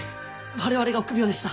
我々が臆病でした。